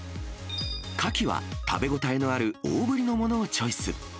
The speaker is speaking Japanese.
カキは、食べ応えのある大ぶりのものをチョイス。